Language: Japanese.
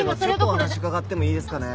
お話伺ってもいいですかね？